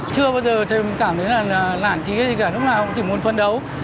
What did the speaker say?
chưa bao giờ tôi cảm thấy là lản trí gì cả lúc nào cũng chỉ muốn phân đấu